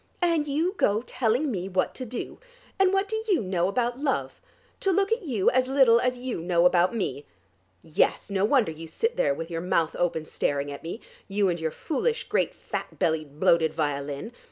And you go telling me what to do! And what do you know about love? To look at you, as little as you know about me. Yes; no wonder you sit there with your mouth open staring at me, you and your foolish, great fat bellied bloated violin.